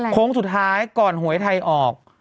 โค้งสุดท้ายก่อนหวยไทยออก